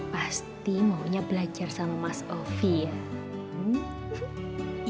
pasti maunya belajar sama mas ovi ya